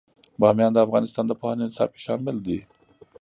بامیان د افغانستان د پوهنې نصاب کې شامل دي.